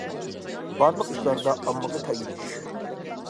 بارلىق ئىشلاردا ئاممىغا تايىنىش.